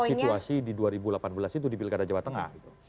situasi di dua ribu delapan belas itu di pilkada jawa tengah